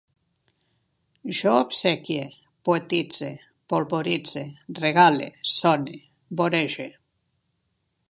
Jo obsequie, poetitze, polvoritze, regale, sone, vorege